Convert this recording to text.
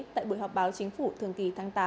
tại buổi họp báo chính phủ thường kỳ tháng tám